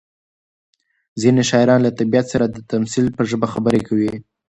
ځینې شاعران له طبیعت سره د تمثیل په ژبه خبرې کوي.